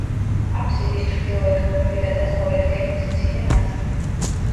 აფსიდის ჩრდილოეთ გვერდი და დასავლეთ კედლის მცირე ნაწილი.